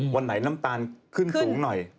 วันไหนน้ำตาลขึ้นสูงหน่อย